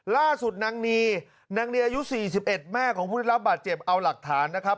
ล่าสุดนางนีนางนีอายุ๔๑แม่ของผู้ได้รับบาดเจ็บเอาหลักฐานนะครับ